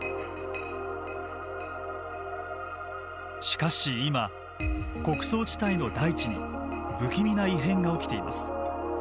しかし今穀倉地帯の大地に不気味な異変が起きています。